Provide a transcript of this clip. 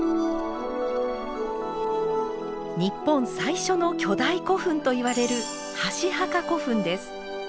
日本最初の巨大古墳といわれる箸墓古墳です。